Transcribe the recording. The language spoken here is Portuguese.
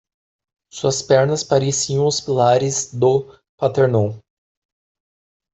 Suas pernas pareciam os pilares do Parthenon.